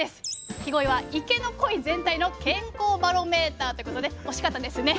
ヒゴイは池のコイ全体の「健康バロメーター」ということで惜しかったですね。